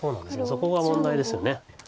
そこが問題ですよね。